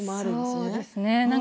そうですね